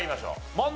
問題。